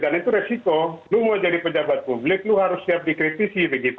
dan itu resiko lo mau jadi pejabat publik lo harus siap dikritisi begitu